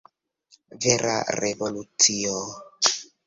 Vera revolucio!